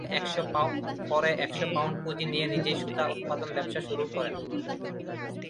পরে একশ পাউন্ড পুঁজি নিয়ে নিজেই সুতা উৎপাদন ব্যবসা শুরু করেন।